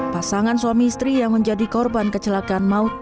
pasangan suami istri yang menjadi korban kecelakaan maut